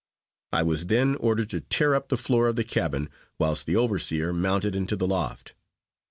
I was then ordered to tear up the floor of the cabin, whilst the overseer mounted into the loft.